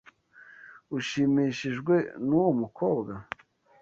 Ushimishijwe nuwo mukobwa?